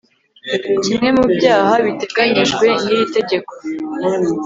kimwe mu byaha biteganyijwe n iri tegeko